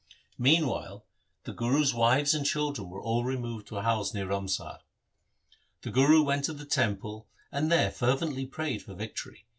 Meanwhile the Guru's wives and children were all removed to a house near Ramsar. The Guru went to the temple and there fervently prayed for victory.